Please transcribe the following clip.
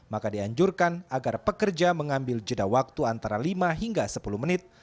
maka dianjurkan agar pekerja mengambil jeda waktu antara lima hingga sepuluh menit